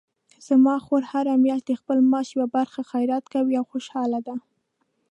زما خور هره میاشت د خپل معاش یوه برخه خیرات کوي او خوشحاله ده